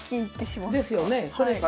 ですよね。